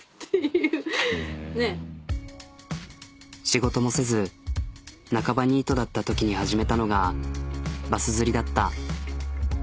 仕事もせず半ばニートだったときに始めたのがバス釣りだった。